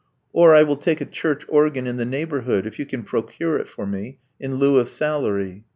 Or, I will take a church organ in the neighborhood, if you can procure it for me, in lieu of salary."